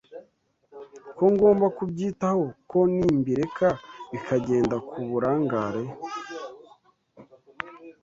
ko ngomba kubyitaho ko nimbireka bikagenda ku burangare